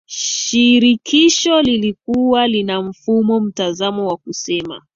shirikisho lilikua linamfumo mtazamo wa kusema